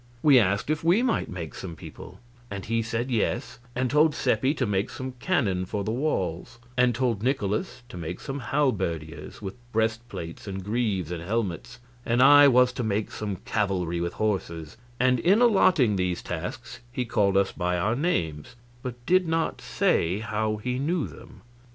We asked if we might make some people, and he said yes, and told Seppi to make some cannon for the walls, and told Nikolaus to make some halberdiers, with breastplates and greaves and helmets, and I was to make some cavalry, with horses, and in allotting these tasks he called us by our names, but did not say how he knew them.